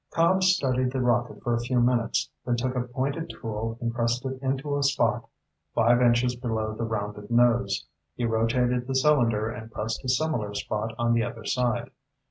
Cobb studied the rocket for a few minutes, then took a pointed tool and pressed it into a spot five inches below the rounded nose. He rotated the cylinder and pressed a similar spot on the other side.